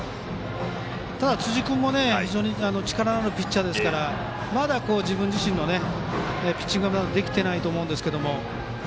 ただ、辻君も力のあるピッチャーですからまだ自分自身のピッチングができていないと思いますけど。